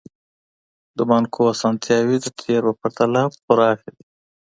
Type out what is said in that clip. د بانکو اسانتياوې د تېر په پرتله پراخي دي.